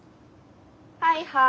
はいはい。